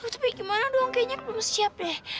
tapi gimana dong kayaknya belum siap deh